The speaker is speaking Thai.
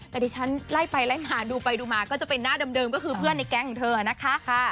แต่ดิฉันไล่ไปไล่มาดูไปดูมาก็จะเป็นหน้าเดิมก็คือเพื่อนในแก๊งของเธอนะคะ